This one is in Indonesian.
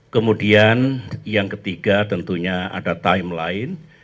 kemudian yang ketiga tentunya ada timeline